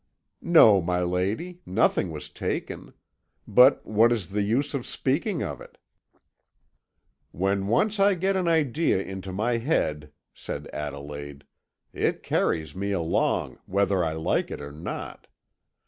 "No, my lady, nothing was taken; but what is the use of speaking of it?" "When once I get an idea into my head," said Adelaide, "it carries me along, whether I like it or not.